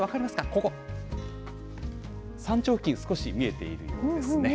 ここ、山頂付近、少し見えているようですね。